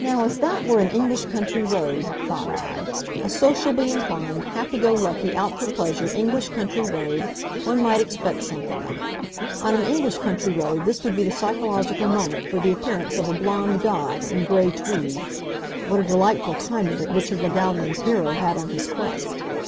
"Now if that were an English country road," thought I, "a sociably inclined, happy go lucky, out for pleasure English country road, one might expect something of it. On an English country road this would be the psychological moment for the appearance of a blond god, in gray tweed. What a delightful time of it Richard Le Gallienne's hero had on his quest!